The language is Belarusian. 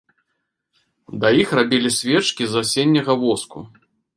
Да іх рабілі свечкі з асенняга воску.